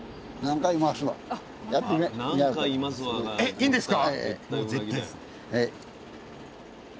いいんですか？